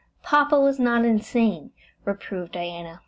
"Papa was not insane," reproved Diana.